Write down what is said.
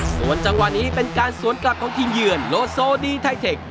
ส่วนจังหวะนี้เป็นการสวนกลับของทีมเยือนโลโซดีไทเทค